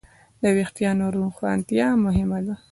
د وېښتیانو روښانتیا مهمه ده.